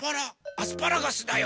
アスパラガスだよ！